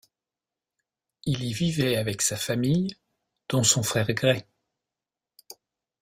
Il y vivait avec sa famille, dont son frère Gray.